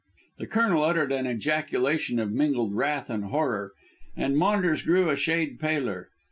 The Colonel uttered an ejaculation of mingled wrath and horror, and Maunders grew a shade paler.